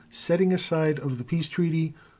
Setting aside of the Peace Treaty. 2.